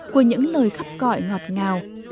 của những lời khắp cõi ngọt ngào